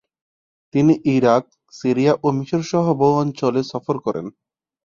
তিনি Iraq, Syria ও মিশরসহ বহু অঞ্চলে সফর করেন।